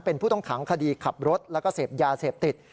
เป็นผู้ต้องขังคดีขับรถแล้วก็เสพยาเสพติด